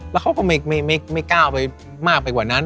แล้วเขาก็ไม่ก้าวไปมากไปกว่านั้น